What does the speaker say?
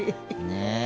ねえ！